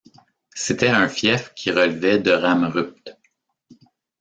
C'était un fief qui relevait de Ramerupt.